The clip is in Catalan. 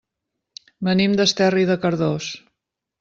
Venim d'Esterri de Cardós.